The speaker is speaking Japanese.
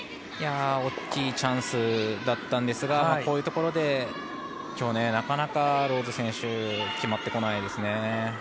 大きいチャンスだったんですがこういうところで今日なかなかローズ選手決まってこないですね。